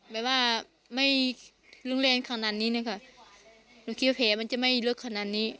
ไม่ว่าไม่ลุงเลียนขนาดนี้นะครับหนูคิดว่าแผนมันจะไม่เลือดขนาดนี้